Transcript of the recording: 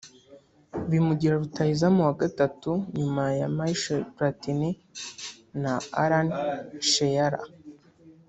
bimugira rutahizamu wa gatatu nyuma ya Michel Platini na Alan Shearer